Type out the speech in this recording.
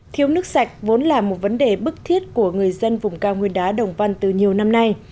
thiếu nước sạch vốn là một vấn đề bức thiết của người dân vùng cao nguyên đá đồng văn từ nhiều năm nay